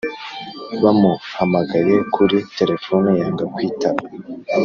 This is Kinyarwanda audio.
Bamuhamagaye kuri telephone yanga kwitaba